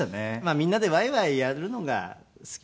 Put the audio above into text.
みんなでワイワイやるのが好きな人でしたね。